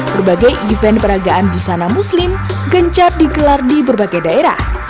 berbagai event peragaan busana muslim gencar digelar di berbagai daerah